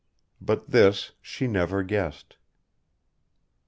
But this she never guessed.